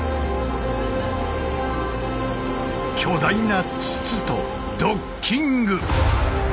巨大な筒とドッキング！